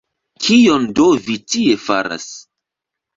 Kion do vi tie faras?